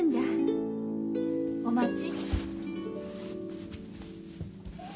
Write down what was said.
お待ち。